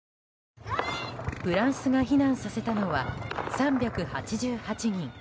フランスが避難させたのは３８８人。